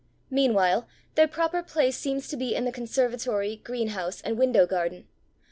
Meanwhile, their proper place seems to be in the conservatory, greenhouse and window garden.